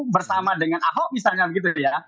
bersama dengan ahok misalnya begitu ya